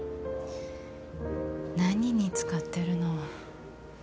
何に使ってるの？